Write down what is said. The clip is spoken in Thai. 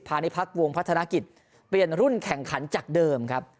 นิพักวงพัฒนากิจเปลี่ยนรุ่นแข่งขันจากเดิมครับ